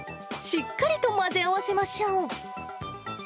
しっかりと混ぜ合わせましょう。